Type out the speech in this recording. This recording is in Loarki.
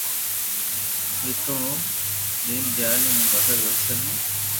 نيدون ھو دينديالو ھون ڀگت وسل ھون